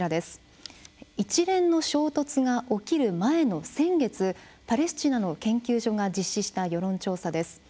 一連の衝突が起きる前の先月パレスチナの研究所が実施した世論調査です。